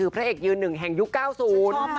พระเอกยืนหนึ่งแห่งยุคเก้าศูนย์